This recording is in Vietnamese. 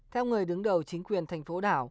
theo người đứng đầu chính quyền tp đảo